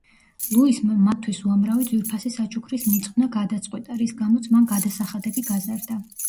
ლუისმა მათთვის უამრავი ძვირფასი საჩუქრის მიძღვნა გადაწყვიტა, რის გამოც მან გადასახადები გაზარდა.